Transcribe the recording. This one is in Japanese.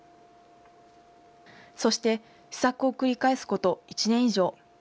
そして試作を繰り返すこと１年以上。